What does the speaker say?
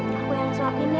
ya aku yang suapin